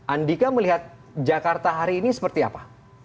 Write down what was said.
andika melihat jakarta hari ini seperti apa